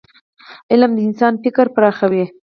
علم د انسان فکر پراخوي.